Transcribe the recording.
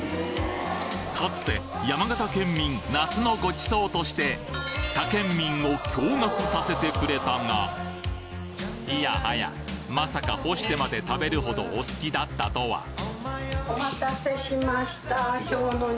かつて山形県民夏のごちそうとして他県民を驚愕させてくれたがいやはやまさか干してまで食べるほどお好きだったとはおまたせしました。